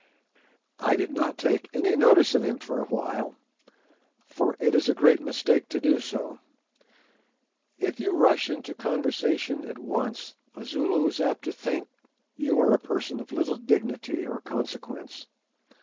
I did not take any notice of him for a while, for it is a great mistake to do so. If you rush into conversation at once, a Zulu is apt to think you a person of little dignity or consequence.